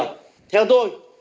vâng theo tôi